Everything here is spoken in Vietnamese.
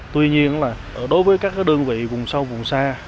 tuy nhiên là đối với các đơn vị vùng sâu vùng xa